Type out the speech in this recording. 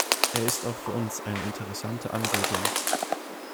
Er ist auch für uns eine interessante Anregung.